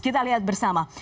kita lihat bersama